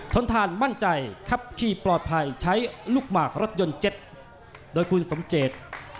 ทนทานมั่นใจขับขี่ปลอดภัยใช้ลูกหมากรถยนต์เจ็ดโดยคุณสมเจต